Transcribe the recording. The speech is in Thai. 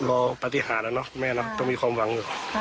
ถึงเราก็รอปฏิหาแล้วนะไม่น้ำต้องมีความหวัง